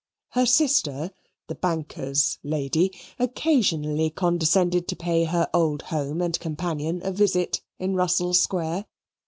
Her sister, the banker's lady, occasionally condescended to pay her old home and companion a visit in Russell Square.